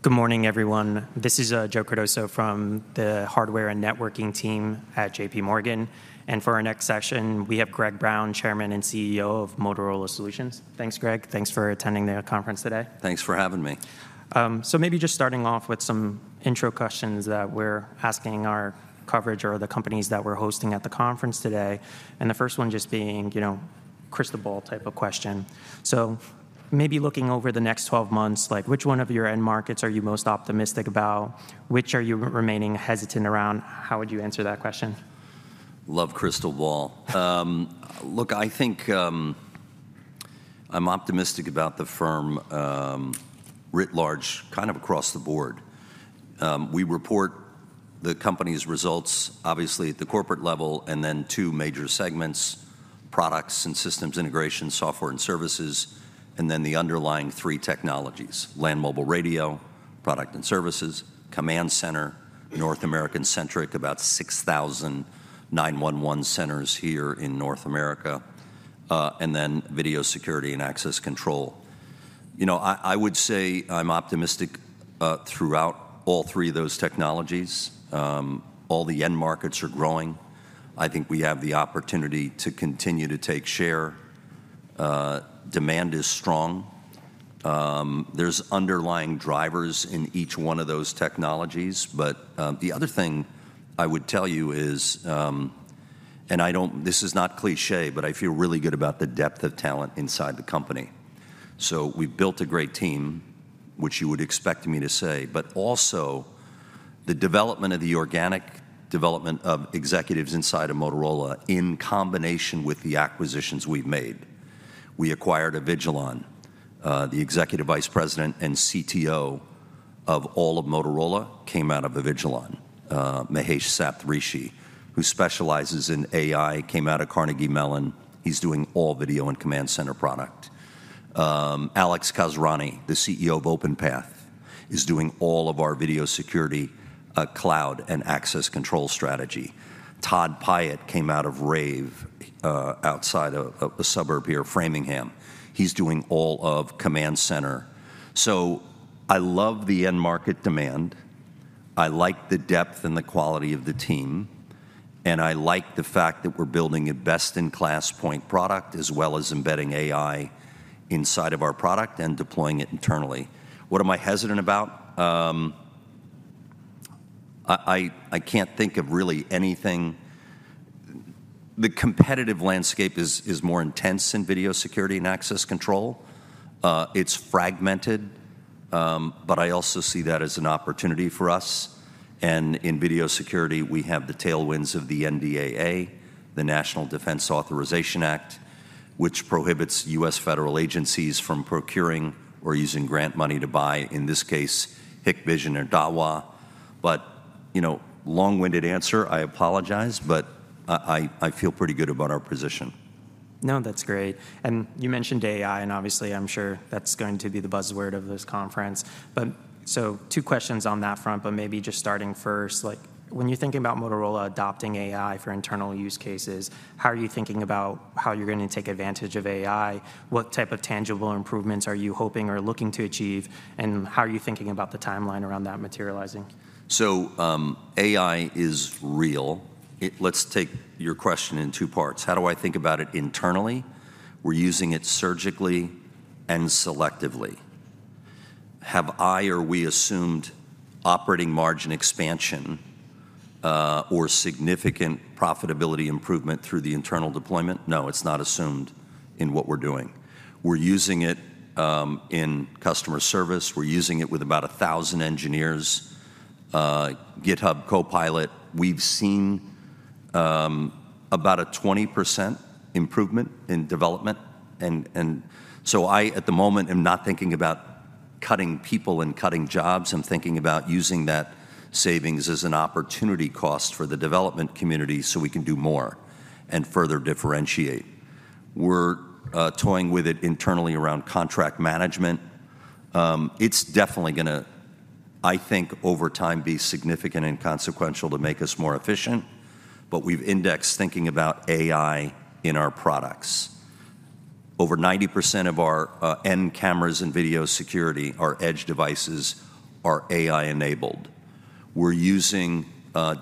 Good morning, everyone. This is Joe Cardoso from the Hardware and Networking team at J.P. Morgan. For our next session, we have Greg Brown, Chairman and CEO of Motorola Solutions. Thanks, Greg. Thanks for attending the conference today. Thanks for having me. So maybe just starting off with some intro questions that we're asking our coverage or the companies that we're hosting at the conference today, and the first one just being, you know, crystal ball type of question. So maybe looking over the next 12 months, like, which one of your end markets are you most optimistic about? Which are you remaining hesitant around? How would you answer that question? Love crystal ball. Look, I think I'm optimistic about the firm writ large, kind of across the board. We report the company's results obviously at the corporate level, and then two major segments, products and systems integration, software and services, and then the underlying three technologies: land mobile radio, product and services; command center, North American-centric, about 6,000 911 centers here in North America; and then video security and access control. You know, I would say I'm optimistic throughout all three of those technologies. All the end markets are growing. I think we have the opportunity to continue to take share. Demand is strong. There's underlying drivers in each one of those technologies. But the other thing I would tell you is... I don't—this is not cliché, but I feel really good about the depth of talent inside the company. So we've built a great team, which you would expect me to say, but also the development of the organic development of executives inside of Motorola in combination with the acquisitions we've made. We acquired Avigilon. The Executive Vice President and CTO of all of Motorola came out of Avigilon. Mahesh Saptharishi, who specializes in AI, came out of Carnegie Mellon. He's doing all video and command center product. Alex Kazerani, the CEO of Openpath, is doing all of our video security, cloud, and access control strategy. Todd Piett came out of Rave, outside of a suburb here, Framingham. He's doing all of command center. So I love the end market demand, I like the depth and the quality of the team, and I like the fact that we're building a best-in-class point product, as well as embedding AI inside of our product and deploying it internally. What am I hesitant about? I can't think of really anything. The competitive landscape is more intense in video security and access control. It's fragmented, but I also see that as an opportunity for us. And in video security, we have the tailwinds of the NDAA, the National Defense Authorization Act, which prohibits U.S. federal agencies from procuring or using grant money to buy, in this case, Hikvision or Dahua. But, you know, long-winded answer, I apologize, but I feel pretty good about our position. No, that's great. And you mentioned AI, and obviously, I'm sure that's going to be the buzzword of this conference. But so two questions on that front, but maybe just starting first, like, when you're thinking about Motorola adopting AI for internal use cases, how are you thinking about how you're going to take advantage of AI? What type of tangible improvements are you hoping or looking to achieve, and how are you thinking about the timeline around that materializing? So, AI is real. Let's take your question in two parts. How do I think about it internally? We're using it surgically and selectively. Have I or we assumed operating margin expansion or significant profitability improvement through the internal deployment? No, it's not assumed in what we're doing. We're using it in customer service. We're using it with about 1,000 engineers. GitHub Copilot, we've seen about a 20% improvement in development. And so I, at the moment, am not thinking about cutting people and cutting jobs. I'm thinking about using that savings as an opportunity cost for the development community, so we can do more and further differentiate. We're toying with it internally around contract management. It's definitely gonna, I think, over time, be significant and consequential to make us more efficient, but we've indexed thinking about AI in our products. Over 90% of our end cameras and video security, our edge devices, are AI-enabled. We're using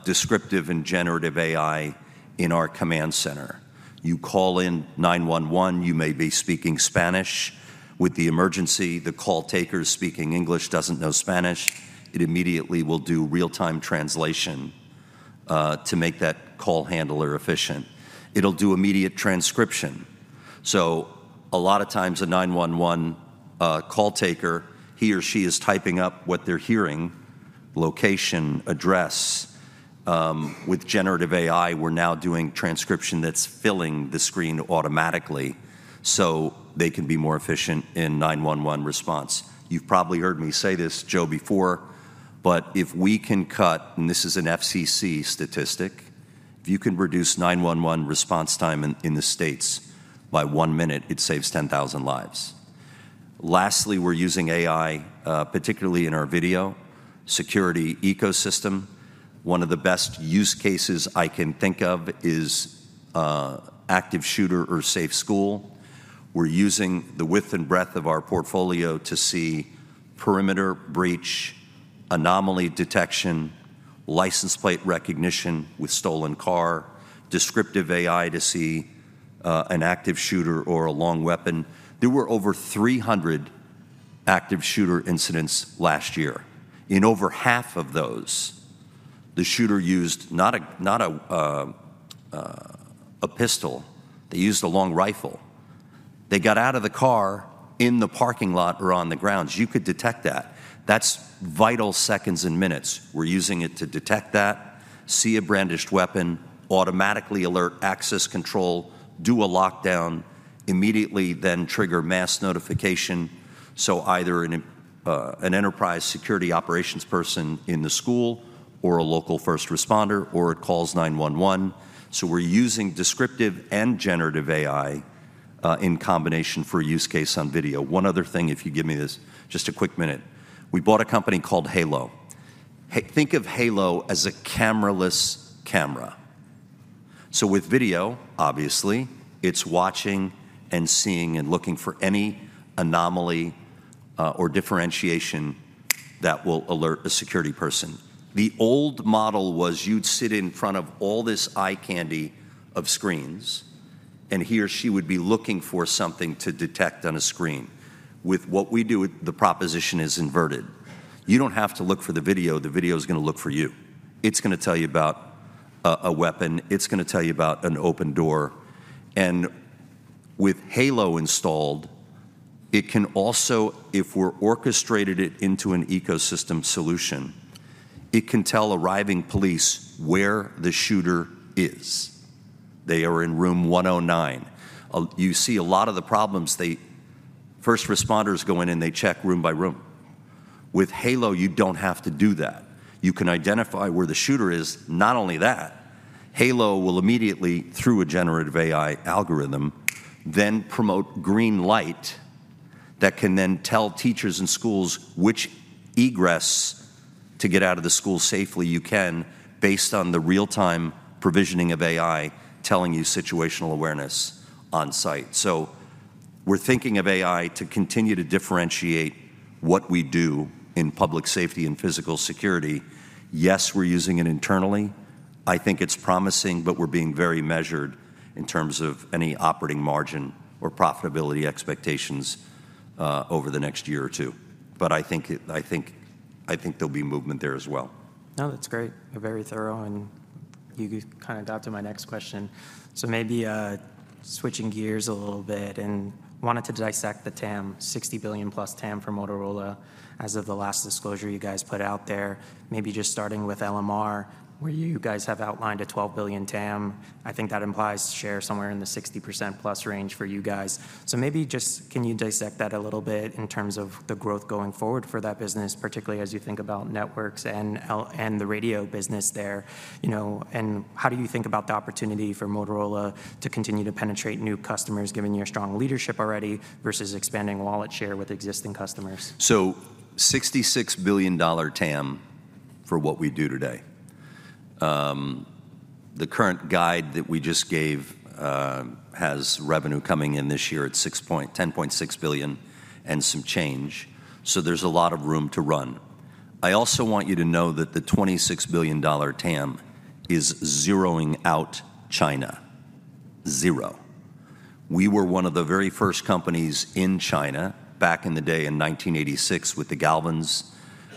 descriptive and generative AI in our command center. You call in 911, you may be speaking Spanish with the emergency, the call taker speaking English doesn't know Spanish, it immediately will do real-time translation to make that call handler efficient. It'll do immediate transcription. So a lot of times, a 911 call taker, he or she is typing up what they're hearing, location, address. With generative AI, we're now doing transcription that's filling the screen automatically, so they can be more efficient in 911 response. You've probably heard me say this, Joe, before, but if we can cut, and this is an FCC statistic, if you can reduce 911 response time in the States by one minute, it saves 10,000 lives. Lastly, we're using AI, particularly in our video security ecosystem. One of the best use cases I can think of is active shooter or safe school. We're using the width and breadth of our portfolio to see perimeter breach, anomaly detection, license plate recognition with stolen car, descriptive AI to see an active shooter or a long weapon. There were over 300 active shooter incidents last year. In over half of those, the shooter used not a, not a, a pistol, they used a long rifle. They got out of the car in the parking lot or on the grounds. You could detect that. That's vital seconds and minutes. We're using it to detect that, see a brandished weapon, automatically alert access control, do a lockdown, immediately then trigger mass notification, so either an enterprise security operations person in the school, or a local first responder, or it calls 911. So we're using descriptive and generative AI in combination for a use case on video. One other thing, if you give me this—just a quick minute. We bought a company called Halo. Think of Halo as a camera-less camera. So with video, obviously, it's watching and seeing and looking for any anomaly or differentiation that will alert a security person. The old model was you'd sit in front of all this eye candy of screens, and he or she would be looking for something to detect on a screen. With what we do, the proposition is inverted. You don't have to look for the video, the video's gonna look for you. It's gonna tell you about a weapon, it's gonna tell you about an open door. And with Halo installed, it can also, if we're orchestrated it into an ecosystem solution, it can tell arriving police where the shooter is. "They are in room 109." You see a lot of the problems, they... first responders go in, and they check room by room. With Halo, you don't have to do that. You can identify where the shooter is. Not only that, Halo will immediately, through a generative AI algorithm, then promote green light that can then tell teachers in schools which egress to get out of the school safely you can, based on the real-time provisioning of AI telling you situational awareness on site. So we're thinking of AI to continue to differentiate what we do in public safety and physical security. Yes, we're using it internally. I think it's promising, but we're being very measured in terms of any operating margin or profitability expectations over the next year or two. But I think there'll be movement there as well. No, that's great, very thorough, and you kind of got to my next question. So maybe, switching gears a little bit, and wanted to dissect the TAM, +$60 billion TAM for Motorola, as of the last disclosure you guys put out there. Maybe just starting with LMR, where you guys have outlined a $12 billion TAM. I think that implies share somewhere in the 60%+ range for you guys. So maybe just can you dissect that a little bit in terms of the growth going forward for that business, particularly as you think about networks and and the radio business there? You know, and how do you think about the opportunity for Motorola to continue to penetrate new customers, given your strong leadership already, versus expanding wallet share with existing customers? So $66 billion TAM for what we do today. The current guide that we just gave has revenue coming in this year at $10.6 billion and some change, so there's a lot of room to run. I also want you to know that the $26 billion TAM is zeroing out China. Zero. We were one of the very first companies in China back in the day, in 1986, with the Galvins.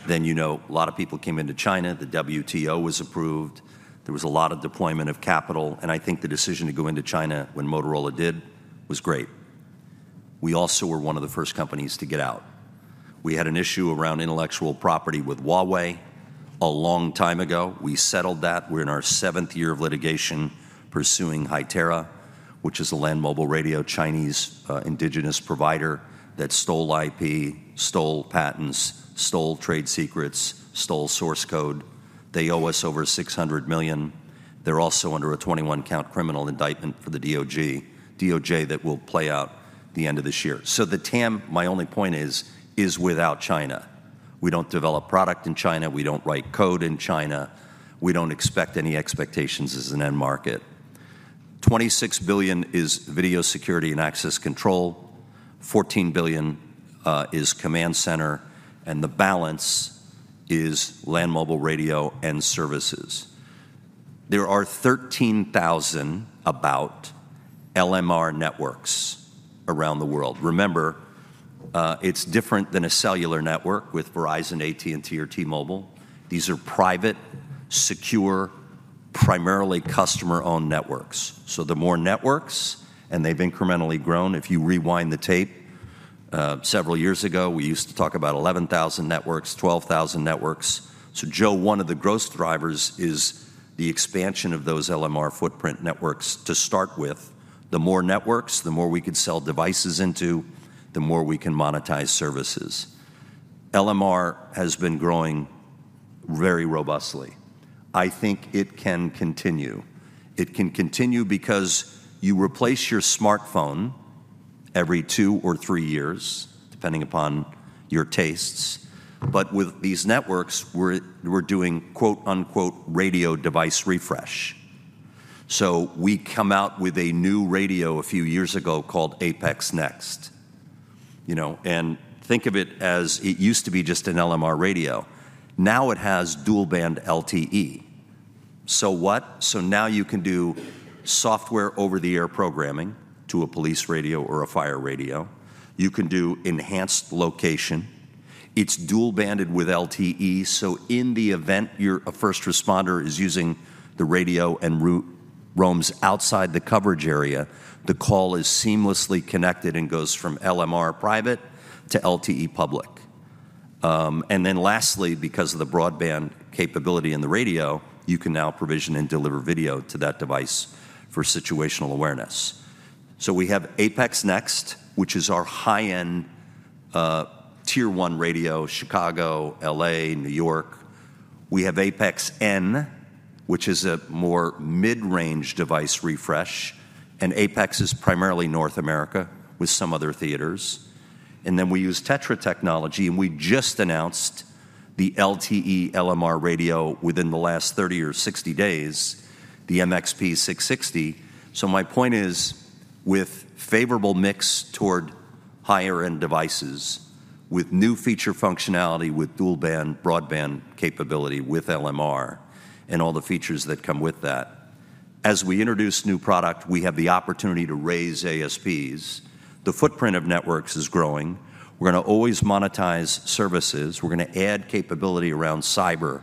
Then, you know, a lot of people came into China, the WTO was approved, there was a lot of deployment of capital, and I think the decision to go into China when Motorola did was great. We also were one of the first companies to get out. We had an issue around intellectual property with Huawei a long time ago. We settled that. We're in our seventh year of litigation pursuing Hytera, which is a land mobile radio Chinese indigenous provider that stole IP, stole patents, stole trade secrets, stole source code. They owe us over $600 million. They're also under a 21-count criminal indictment for the DOJ that will play out the end of this year. So the TAM, my only point is, is without China. We don't develop product in China, we don't write code in China, we don't expect any expectations as an end market. $26 billion is video security and access control, $14 billion is command center, and the balance is land mobile radio and services. There are 13,000, about, LMR networks around the world. Remember, it's different than a cellular network with Verizon, AT&T, or T-Mobile. These are private, secure, primarily customer-owned networks. So the more networks, and they've incrementally grown, if you rewind the tape, several years ago, we used to talk about 11,000 networks, 12,000 networks. So Joe, one of the growth drivers is the expansion of those LMR footprint networks to start with. The more networks, the more we can sell devices into, the more we can monetize services. LMR has been growing very robustly. I think it can continue. It can continue because you replace your smartphone every two or three years, depending upon your tastes. But with these networks, we're doing, quote-unquote, "radio device refresh." So we come out with a new radio a few years ago called APX NEXT. You know, and think of it as it used to be just an LMR radio. Now it has dual-band LTE. So what? So now you can do software over-the-air programming to a police radio or a fire radio. You can do enhanced location. It's dual-banded with LTE, so in the event you're a first responder is using the radio and roams outside the coverage area, the call is seamlessly connected and goes from LMR private to LTE public. And then lastly, because of the broadband capability in the radio, you can now provision and deliver video to that device for situational awareness. So we have APX NEXT, which is our high-end Tier 1 radio, Chicago, L.A., New York. We have APX N, which is a more mid-range device refresh, and APX is primarily North America with some other theaters. And then we use TETRA technology, and we just announced the LTE LMR radio within the last 30 or 60 days, the MXP660. So my point is, with favorable mix toward higher-end devices, with new feature functionality, with dual-band broadband capability, with LMR and all the features that come with that, as we introduce new product, we have the opportunity to raise ASPs. The footprint of networks is growing. We're gonna always monetize services. We're gonna add capability around cyber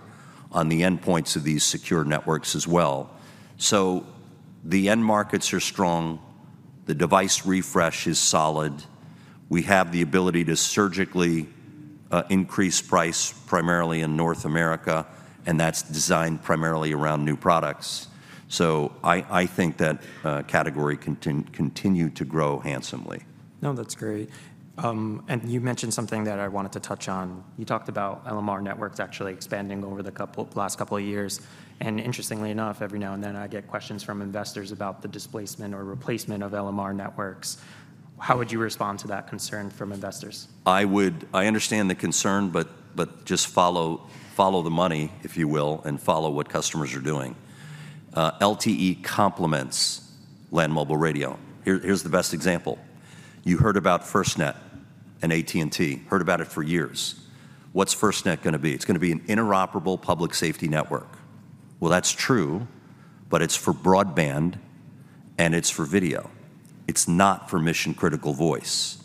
on the endpoints of these secure networks as well. So the end markets are strong. The device refresh is solid. We have the ability to surgically increase price, primarily in North America, and that's designed primarily around new products. So I think that category can continue to grow handsomely. No, that's great. And you mentioned something that I wanted to touch on. You talked about LMR networks actually expanding over the last couple of years, and interestingly enough, every now and then, I get questions from investors about the displacement or replacement of LMR networks. How would you respond to that concern from investors? I understand the concern, but just follow the money, if you will, and follow what customers are doing. LTE complements land mobile radio. Here's the best example: You heard about FirstNet and AT&T, heard about it for years. What's FirstNet gonna be? It's gonna be an interoperable public safety network. Well, that's true, but it's for broadband, and it's for video. It's not for mission-critical voice,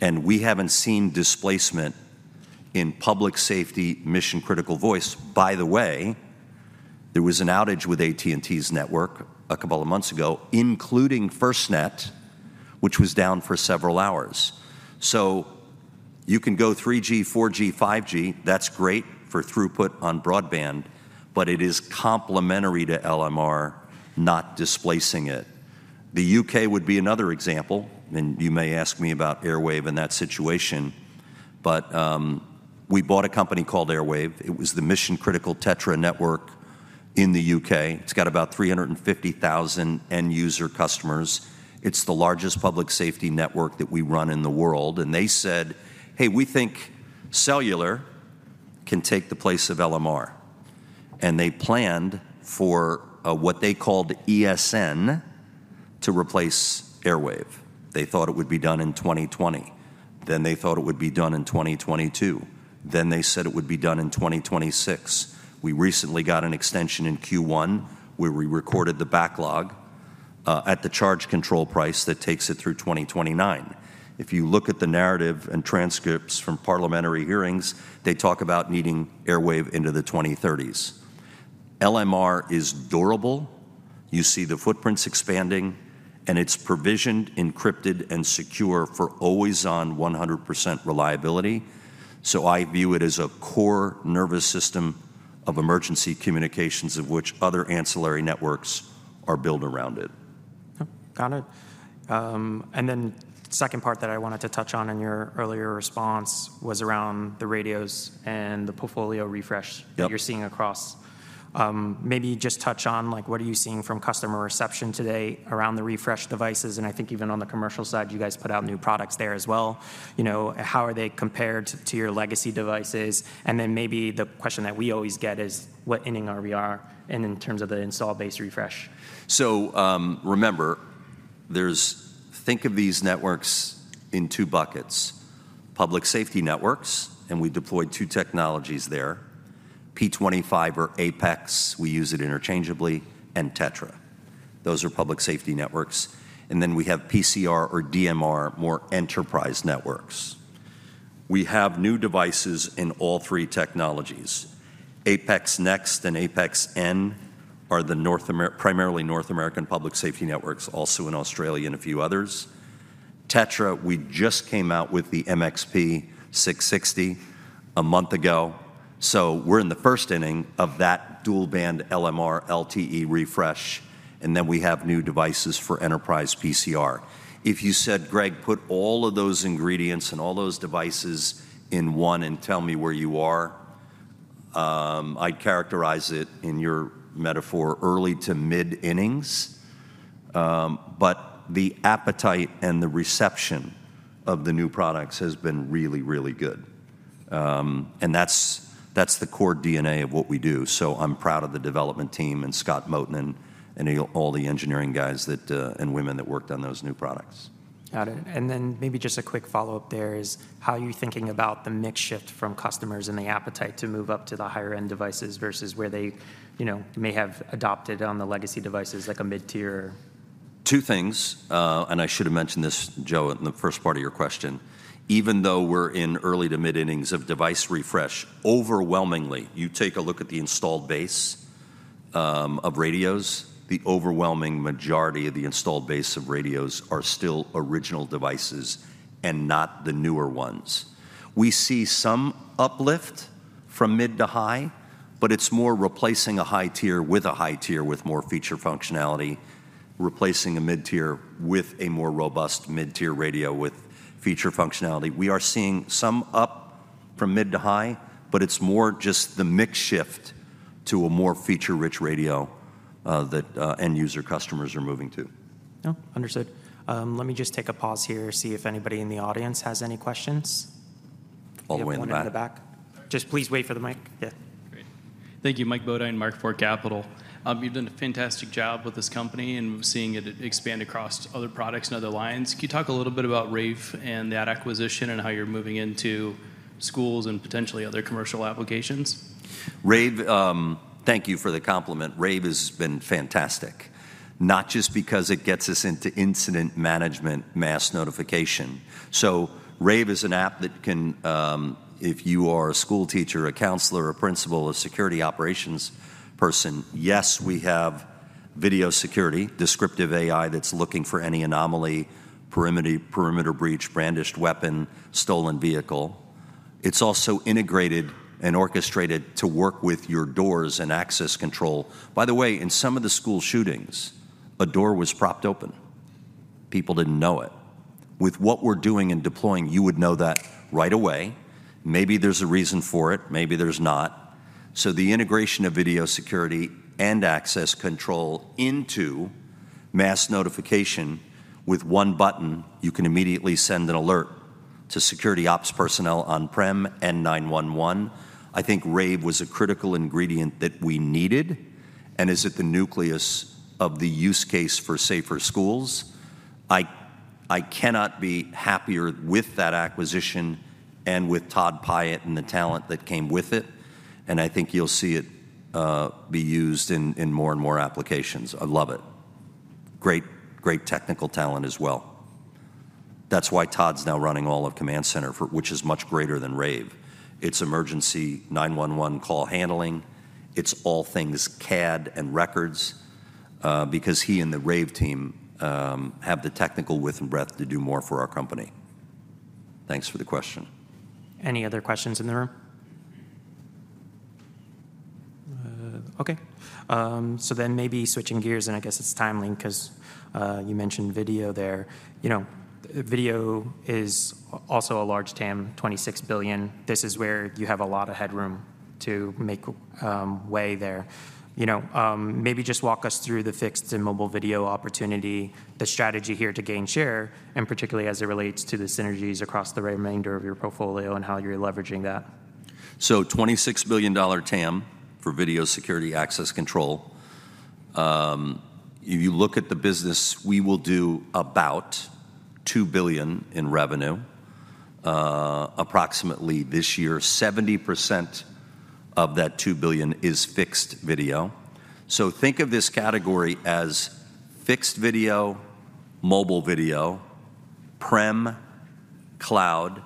and we haven't seen displacement in public safety mission-critical voice. By the way, there was an outage with AT&T's network a couple of months ago, including FirstNet, which was down for several hours. So you can go 3G, 4G, 5G. That's great for throughput on broadband, but it is complementary to LMR, not displacing it. The U.K. would be another example, and you may ask me about Airwave and that situation, but, we bought a company called Airwave. It was the mission-critical TETRA network in the U.K. It's got about 350,000 end-user customers. It's the largest public safety network that we run in the world, and they said, "Hey, we think cellular can take the place of LMR." And they planned for, what they called ESN to replace Airwave. They thought it would be done in 2020. Then they thought it would be done in 2022. Then they said it would be done in 2026. We recently got an extension in Q1, where we recorded the backlog, at the charge control price that takes it through 2029. If you look at the narrative and transcripts from parliamentary hearings, they talk about needing Airwave into the 2030s. LMR is durable. You see the footprints expanding, and it's provisioned, encrypted, and secure for always-on 100% reliability. So I view it as a core nervous system of emergency communications, of which other ancillary networks are built around it. Oh, got it. And then second part that I wanted to touch on in your earlier response was around the radios and the portfolio refresh- Yep... that you're seeing across. Maybe just touch on, like, what are you seeing from customer reception today around the refresh devices? And I think even on the commercial side, you guys put out new products there as well. You know, how are they compared to your legacy devices? And then maybe the question that we always get is, what inning are we in, in terms of the install base refresh? So, remember, there's... think of these networks in two buckets: public safety networks, and we deployed two technologies there, P25 or APX, we use it interchangeably, and TETRA. Those are public safety networks. And then we have PCR or DMR, more enterprise networks. We have new devices in all three technologies. APX NEXT and APX N are primarily North American public safety networks, also in Australia and a few others. TETRA, we just came out with the MXP660 a month ago, so we're in the first inning of that dual-band LMR LTE refresh, and then we have new devices for enterprise PCR. If you said, "Greg, put all of those ingredients and all those devices in one and tell me where you are-"... I'd characterize it, in your metaphor, early to mid-innings. But the appetite and the reception of the new products has been really, really good. And that's, that's the core DNA of what we do, so I'm proud of the development team and Scott Mottonen and all the engineering guys that, and women that worked on those new products. Got it. And then maybe just a quick follow-up there is: how are you thinking about the mix shift from customers and the appetite to move up to the higher-end devices versus where they, you know, may have adopted on the legacy devices, like a mid-tier? Two things, and I should have mentioned this, Joe, in the first part of your question. Even though we're in early to mid-innings of device refresh, overwhelmingly, you take a look at the installed base, of radios, the overwhelming majority of the installed base of radios are still original devices and not the newer ones. We see some uplift from mid to high, but it's more replacing a high tier with a high tier with more feature functionality, replacing a mid-tier with a more robust mid-tier radio with feature functionality. We are seeing some up from mid to high, but it's more just the mix shift to a more feature-rich radio, that, end user customers are moving to. Oh, understood. Let me just take a pause here, see if anybody in the audience has any questions. All the way in the back. One in the back. Just please wait for the mic. Yeah. Great. Thank you. Mike Beaudoin, Mark IV Capital. You've done a fantastic job with this company, and we're seeing it expand across other products and other lines. Can you talk a little bit about Rave and that acquisition and how you're moving into schools and potentially other commercial applications? Rave, thank you for the compliment. Rave has been fantastic, not just because it gets us into incident management mass notification. So Rave is an app that can, if you are a schoolteacher, a counselor, a principal, a security operations person, yes, we have video security, descriptive AI that's looking for any anomaly, perimeter, perimeter breach, brandished weapon, stolen vehicle. It's also integrated and orchestrated to work with your doors and access control. By the way, in some of the school shootings, a door was propped open. People didn't know it. With what we're doing and deploying, you would know that right away. Maybe there's a reason for it, maybe there's not. So the integration of video security and access control into mass notification, with one button, you can immediately send an alert to security ops personnel on-prem and 911. I think Rave was a critical ingredient that we needed, and is at the nucleus of the use case for safer schools. I cannot be happier with that acquisition and with Todd Piett and the talent that came with it, and I think you'll see it be used in more and more applications. I love it. Great, great technical talent as well. That's why Todd's now running all of Command Center for, which is much greater than Rave. It's emergency 911 call handling, it's all things CAD and records, because he and the Rave team have the technical width and breadth to do more for our company. Thanks for the question. Any other questions in the room? Okay. So then maybe switching gears, and I guess it's timely because you mentioned video there. You know, video is also a large TAM, $26 billion. This is where you have a lot of headroom to make way there. You know, maybe just walk us through the fixed and mobile video opportunity, the strategy here to gain share, and particularly as it relates to the synergies across the remainder of your portfolio and how you're leveraging that. So $26 billion TAM for video security access control. If you look at the business, we will do about $2 billion in revenue, approximately this year. 70% of that $2 billion is fixed video. So think of this category as fixed video, mobile video, prem, cloud,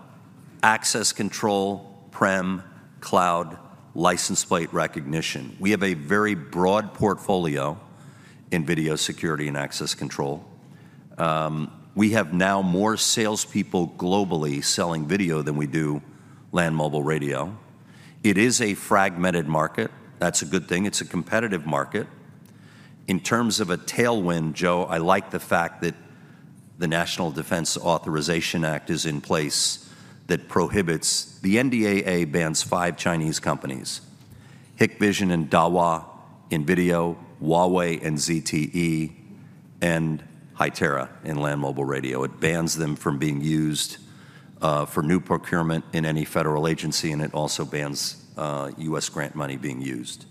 access control, prem, cloud, license plate recognition. We have a very broad portfolio in video security and access control. We have now more salespeople globally selling video than we do land mobile radio. It is a fragmented market. That's a good thing. It's a competitive market. In terms of a tailwind, Joe, I like the fact that the National Defense Authorization Act is in place that prohibits. The NDAA bans five Chinese companies: Hikvision and Dahua in video, Huawei and ZTE, and Hytera in land mobile radio. It bans them from being used for new procurement in any federal agency, and it also bans U.S. grant money being used.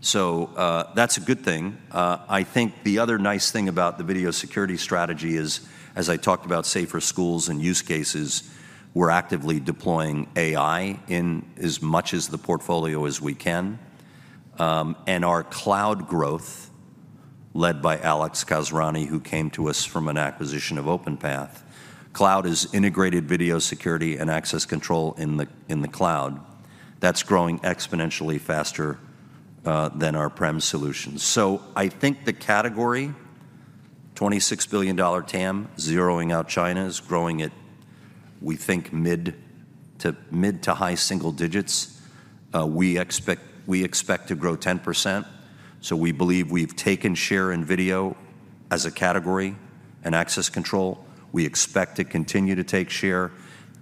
So that's a good thing. I think the other nice thing about the video security strategy is, as I talked about safer schools and use cases, we're actively deploying AI in as much as the portfolio as we can. And our cloud growth, led by Alex Kazerani, who came to us from an acquisition of Openpath, cloud is integrated video security and access control in the cloud. That's growing exponentially faster than our prem solutions. So I think the category, $26 billion TAM, zeroing out China, is growing at, we think, mid- to high-single digits. We expect to grow 10%, so we believe we've taken share in video... As a category and access control, we expect to continue to take share.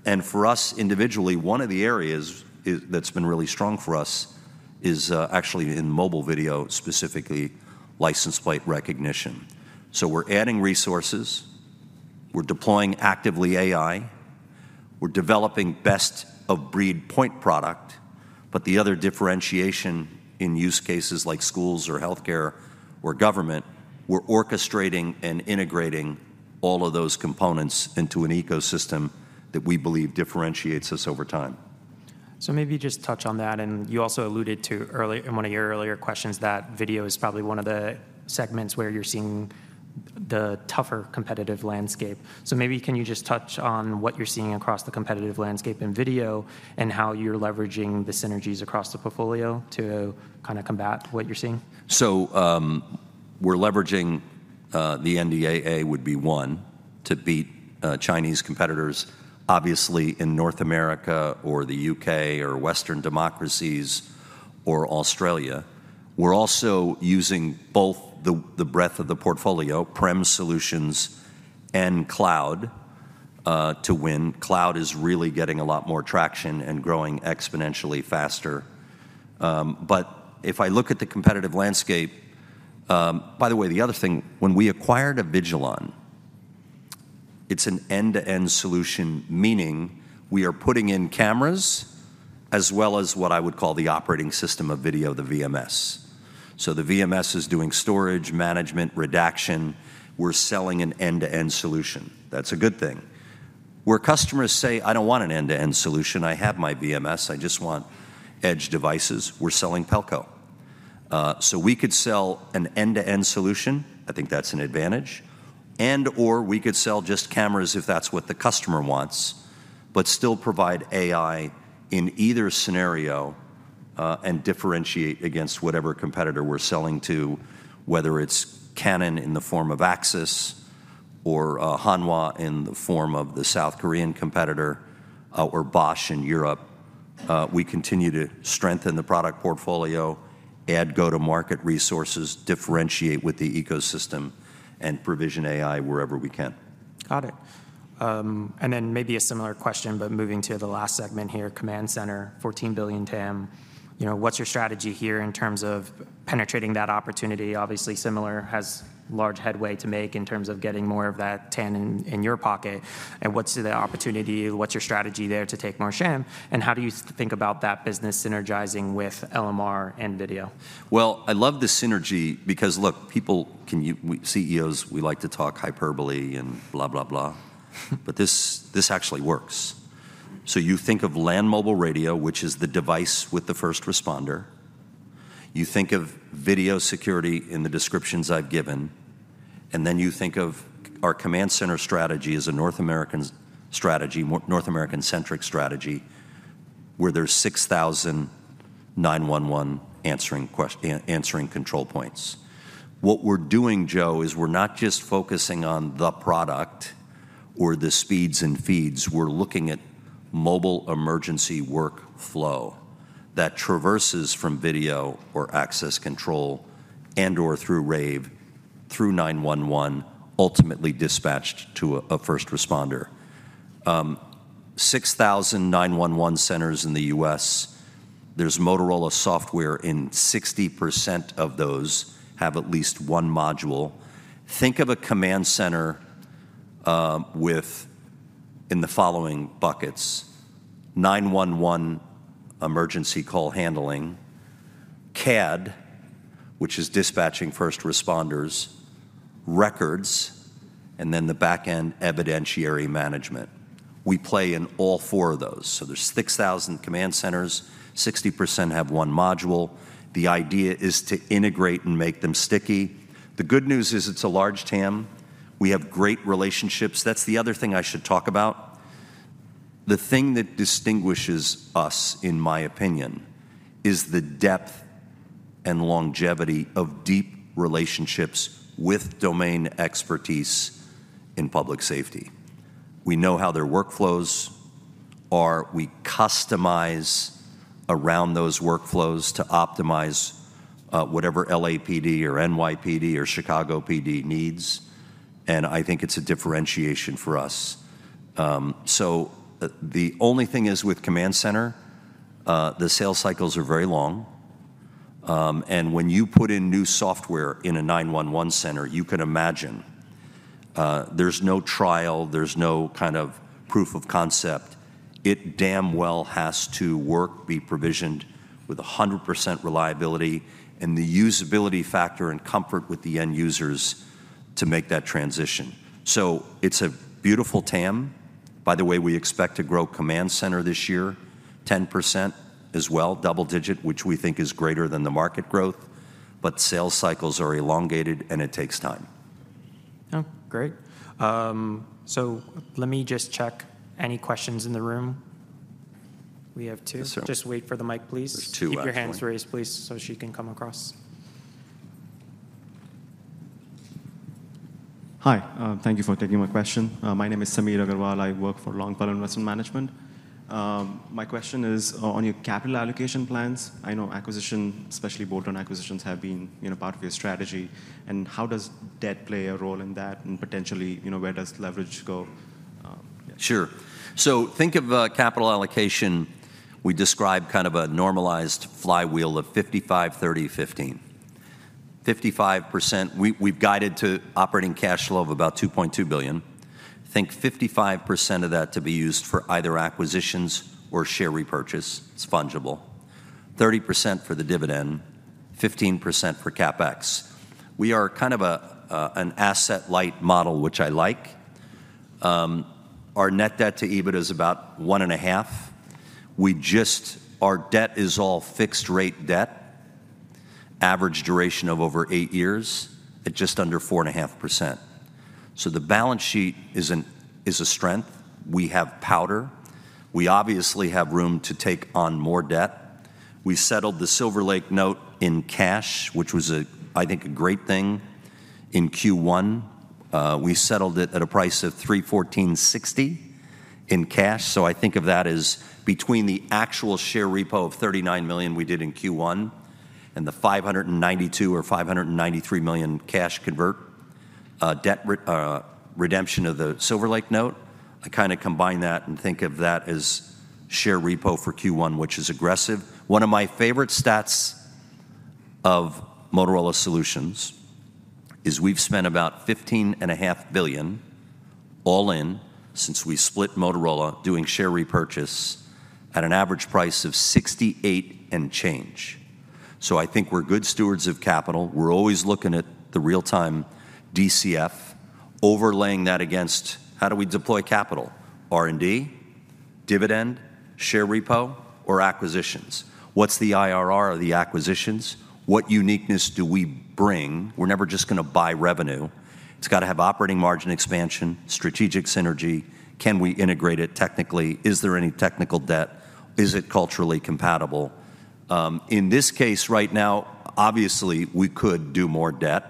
And for us individually, one of the areas is, that's been really strong for us is actually in mobile video, specifically license plate recognition. So we're adding resources, we're deploying actively AI, we're developing best-of-breed point product. But the other differentiation in use cases like schools or healthcare or government, we're orchestrating and integrating all of those components into an ecosystem that we believe differentiates us over time. So maybe just touch on that, and you also alluded to earlier in one of your earlier questions, that video is probably one of the segments where you're seeing the tougher competitive landscape. So maybe can you just touch on what you're seeing across the competitive landscape in video, and how you're leveraging the synergies across the portfolio to kind of combat what you're seeing? So, we're leveraging the NDAA would be one, to beat Chinese competitors, obviously, in North America or the U.K. or Western democracies or Australia. We're also using both the breadth of the portfolio, prem solutions and cloud, to win. Cloud is really getting a lot more traction and growing exponentially faster. But if I look at the competitive landscape. By the way, the other thing, when we acquired Avigilon, it's an end-to-end solution, meaning we are putting in cameras as well as what I would call the operating system of video, the VMS. So the VMS is doing storage, management, redaction. We're selling an end-to-end solution. That's a good thing. Where customers say, "I don't want an end-to-end solution, I have my VMS, I just want edge devices," we're selling Pelco. So we could sell an end-to-end solution, I think that's an advantage, and/or we could sell just cameras if that's what the customer wants, but still provide AI in either scenario, and differentiate against whatever competitor we're selling to, whether it's Canon in the form of Axis or, Hanwha in the form of the South Korean competitor, or Bosch in Europe. We continue to strengthen the product portfolio, add go-to-market resources, differentiate with the ecosystem, and provision AI wherever we can. Got it. And then maybe a similar question, but moving to the last segment here, command center, $14 billion TAM. You know, what's your strategy here in terms of penetrating that opportunity? Obviously, similar, has large headway to make in terms of getting more of that TAM in your pocket. And what's the opportunity? What's your strategy there to take more share? And how do you think about that business synergizing with LMR and video? Well, I love the synergy because, look, people, we, CEOs, we like to talk hyperbole and blah, blah, blah. But this, this actually works. So you think of land mobile radio, which is the device with the first responder. You think of video security in the descriptions I've given, and then you think of our command center strategy as a North American strategy, North American-centric strategy, where there's 6,000 911 answering control points. What we're doing, Joe, is we're not just focusing on the product or the speeds and feeds. We're looking at mobile emergency workflow that traverses from video or access control and/or through Rave, through 911, ultimately dispatched to a first responder. 6,000 911 centers in the U.S., there's Motorola software in 60% of those, have at least one module. Think of a command center, with in the following buckets: 911 emergency call handling; CAD, which is dispatching first responders; records; and then the back-end evidentiary management. We play in all four of those. So there's 6,000 command centers, 60% have one module. The idea is to integrate and make them sticky. The good news is it's a large TAM. We have great relationships. That's the other thing I should talk about. The thing that distinguishes us, in my opinion, is the depth and longevity of deep relationships with domain expertise in public safety. We know how their workflows are. We customize around those workflows to optimize, whatever LAPD or NYPD or Chicago PD needs, and I think it's a differentiation for us. So the only thing is, with command center, the sales cycles are very long. And when you put in new software in a 911 center, you can imagine, there's no trial, there's no kind of proof of concept. It damn well has to work, be provisioned with 100% reliability, and the usability factor and comfort with the end users to make that transition. So it's a beautiful TAM. By the way, we expect to grow command center this year 10% as well, double digit, which we think is greater than the market growth, but sales cycles are elongated, and it takes time. Oh, great. So let me just check any questions in the room. We have two. So- Just wait for the mic, please. There's two, actually. Keep your hands raised, please, so she can come across. Hi, thank you for taking my question. My name is Samir Agarwal. I work for Longfellow Investment Management. My question is, on your capital allocation plans, I know acquisition, especially bolt-on acquisitions, have been, you know, part of your strategy. And how does debt play a role in that, and potentially, you know, where does leverage go? Yeah. Sure. So think of capital allocation. We describe kind of a normalized flywheel of 55%, 30%, 15%. 55%, we've guided to operating cash flow of about $2.2 billion. Think 55% of that to be used for either acquisitions or share repurchase. It's fungible. 30% for the dividend, 15% for CapEx. We are kind of a an asset-light model, which I like. Our net debt-to-EBIT is about 1.5x. We just—our debt is all fixed-rate debt, average duration of over eight years at just under 4.5%. So the balance sheet is an is a strength. We have powder. We obviously have room to take on more debt. We settled the Silver Lake note in cash, which was a I think a great thing in Q1. We settled it at a price of $314.60 in cash, so I think of that as between the actual share repo of $39 million we did in Q1 and the $592 million or $593 million cash convertible debt redemption of the Silver Lake note. I kind of combine that and think of that as share repo for Q1, which is aggressive. One of my favorite stats of Motorola Solutions is we've spent about $15.5 billion, all in, since we split Motorola, doing share repurchase at an average price of $68 and change. So I think we're good stewards of capital. We're always looking at the real-time DCF, overlaying that against: How do we deploy capital? R&D, dividend, share repo, or acquisitions? What's the IRR of the acquisitions? What uniqueness do we bring? We're never just gonna buy revenue. It's gotta have operating margin expansion, strategic synergy. Can we integrate it technically? Is there any technical debt? Is it culturally compatible? In this case, right now, obviously, we could do more debt.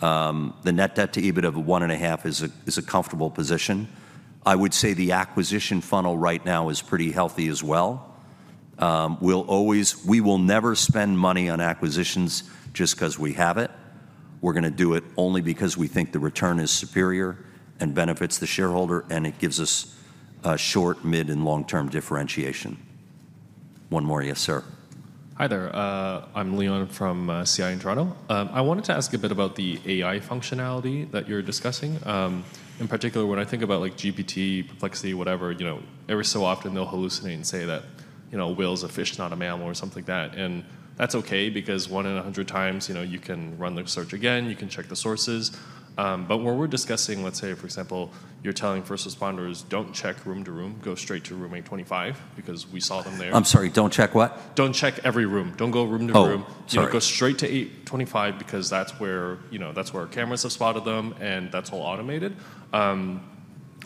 The net debt-to-EBIT of 1.5x is a comfortable position. I would say the acquisition funnel right now is pretty healthy as well. We'll always. We will never spend money on acquisitions just 'cause we have it. We're gonna do it only because we think the return is superior and benefits the shareholder, and it gives us a short, mid, and long-term differentiation. One more. Yes, sir. Hi, there. I'm Leon from CI in Toronto. I wanted to ask a bit about the AI functionality that you're discussing. In particular, when I think about, like, GPT, Perplexity, whatever, you know, every so often, they'll hallucinate and say that, you know, a whale is a fish, not a mammal, or something like that. And that's okay because one in a hundred times, you know, you can run the search again. You can check the sources. But when we're discussing, let's say, for example, you're telling first responders, "Don't check room to room. Go straight to room 825 because we saw them there- I'm sorry, don't check what? Don't check every room. Don't go room to room. Oh, sorry. You know, go straight to 825 because that's where, you know, that's where our cameras have spotted them, and that's all automated.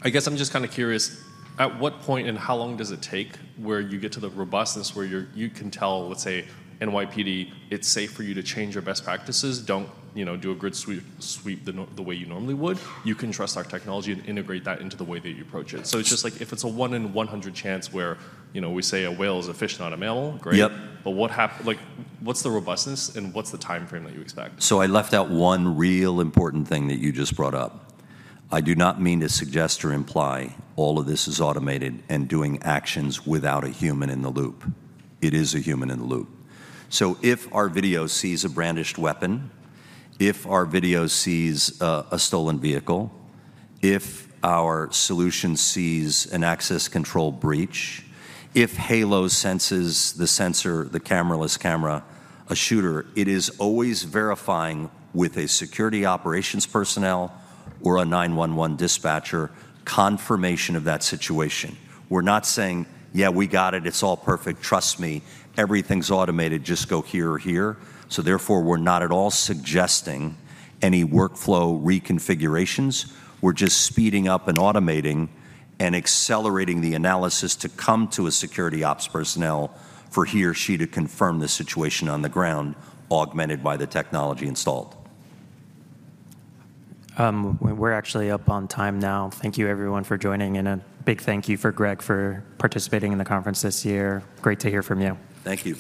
I guess I'm just kind of curious, at what point and how long does it take where you get to the robustness where you're-- you can tell, let's say, NYPD, "It's safe for you to change your best practices. Don't, you know, do a grid sweep, sweep the way you normally would. You can trust our technology and integrate that into the way that you approach it. Gotcha. So it's just, like, if it's a one in 100 chance where, you know, we say a whale is a fish, not a mammal, great. Yep. Like, what's the robustness, and what's the timeframe that you expect? So I left out one real important thing that you just brought up. I do not mean to suggest or imply all of this is automated and doing actions without a human in the loop. It is a human in the loop. So if our video sees a brandished weapon, if our video sees, a stolen vehicle, if our solution sees an access control breach, if Halo senses the sensor, the camera-less camera, a shooter, it is always verifying with a security operations personnel or a 911 dispatcher confirmation of that situation. We're not saying, "Yeah, we got it. It's all perfect. Trust me, everything's automated. Just go here or here." So therefore, we're not at all suggesting any workflow reconfigurations. We're just speeding up and automating and accelerating the analysis to come to a security ops personnel for he or she to confirm the situation on the ground, augmented by the technology installed. We're actually up on time now. Thank you, everyone, for joining, and a big thank you for Greg for participating in the conference this year. Great to hear from you. Thank you.